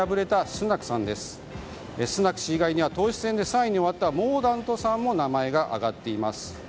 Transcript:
スナク氏以外には党首選で３位に終わったモーダントさんも名前が挙がっています。